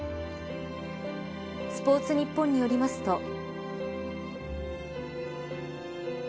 スポーツニッポンによりますと。